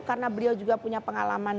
karena beliau juga punya pengalaman